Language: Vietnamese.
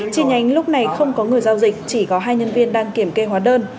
chi nhánh lúc này không có người giao dịch chỉ có hai nhân viên đang kiểm kê hóa đơn